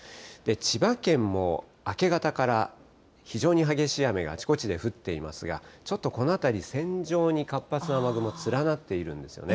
千葉県も明け方から非常に激しい雨があちこちで降っていますが、ちょっとこの辺り、線状に活発な雨雲が連なっているんですよね。